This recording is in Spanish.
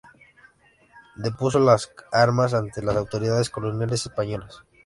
Depuso las armas ante las autoridades coloniales españolas.